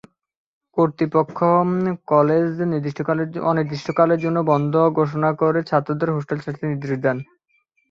কর্তৃপক্ষ কলেজ অনির্দিষ্টকালের জন্য বন্ধ ঘোষণা করে ছাত্রদের হোস্টেল ছাড়তে নির্দেশ দেয়।